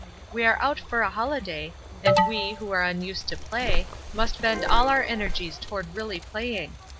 We are out for a holiday, and we, who are unused to play, must bend all our energies toward really playing.